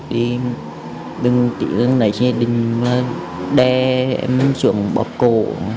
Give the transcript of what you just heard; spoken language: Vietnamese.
đi đừng chỉ là đẩy gia đình lên đe em xuống bóp cổ